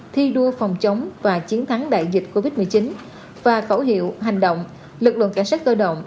thi đua phòng chống và chiến thắng đại dịch covid một mươi chín và khẩu hiệu hành động lực lượng cảnh sát cơ động